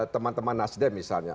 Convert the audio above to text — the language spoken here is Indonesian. teman teman nasdem misalnya